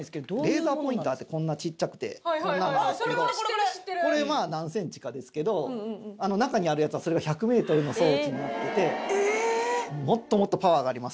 レーザーポインターってこんなちっちゃくてこんなのなんですけどそれは知ってる知ってるこれは何ｃｍかですけど中にあるやつはそれが１００ｍの装置になっててえもっともっとパワーがあります